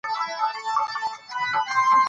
لوستې میندې د ماشوم د خوب وخت تنظیموي.